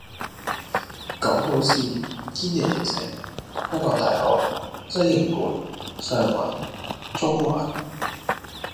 港島綫：堅尼地城，香港大學，西營盤，上環，中環